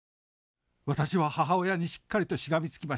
私は母親にしっかりとしがみつきました。